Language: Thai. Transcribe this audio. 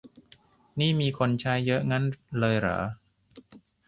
นี่มีคนใช้เยอะงั้นเลยเหรอ